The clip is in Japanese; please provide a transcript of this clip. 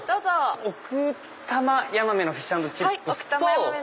奥多摩ヤマメのフィッシュ＆チップスと。